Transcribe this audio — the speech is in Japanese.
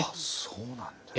そうなんですか。